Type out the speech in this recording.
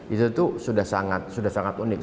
itu tuh sudah sangat unik